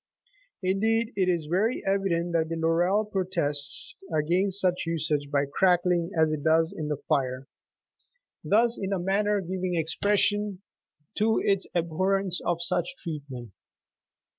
86 Indeed, it is very evident that the laurel pro tests against such usage by crackling87 as it does in the fire, thus, in a manner, giving expresssion to its abhorrence of such treatment.